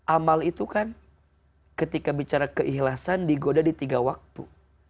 amal itu kan ketika bicara keikhlasan digoda di tiga waktu